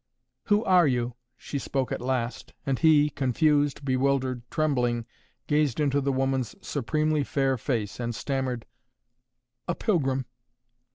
"Who are you?" she spoke at last, and he, confused, bewildered, trembling, gazed into the woman's supremely fair face and stammered: "A pilgrim!"